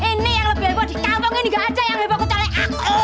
ini yang lebih heboh di kampung ini gak aja yang heboh kecuali aku